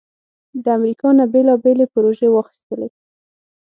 د امریکا نه بیلابیلې پروژې واخستلې